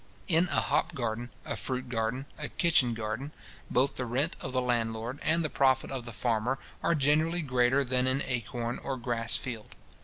In a hop garden, a fruit garden, a kitchen garden, both the rent of the landlord, and the profit of the farmer, are generally greater than in acorn or grass field.